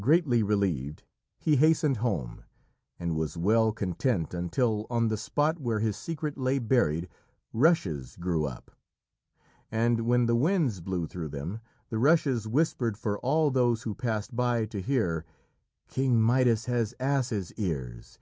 Greatly relieved, he hastened home, and was well content until, on the spot where his secret lay buried, rushes grew up. And when the winds blew through them, the rushes whispered for all those who passed by to hear: "King Midas has ass's ears!